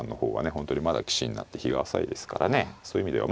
本当にまだ棋士になって日が浅いですからねそういう意味では。